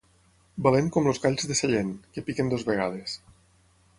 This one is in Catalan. Valent com els galls de Sallent, que piquen dues vegades.